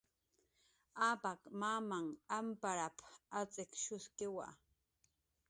"Apak mamnhan amparp"" atz'ikshuskiwa"